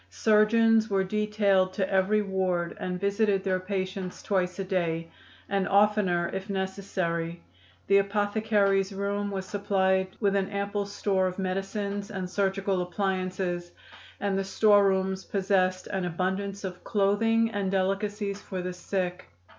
Surgeons were detailed to every ward and visited their patients twice a day, and oftener if necessary. The apothecaries' room was supplied with an ample store of medicines and surgical appliances, and the store rooms possessed an abundance of clothing and delicacies for the sick."